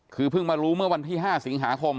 คือเพิ่งมารู้เมื่อวันที่๕สิงหาคม